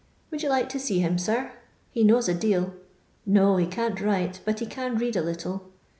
Wonld you like to Ke him, sirl He knowi a deeL No, he ctn't write, bnt he can read a little.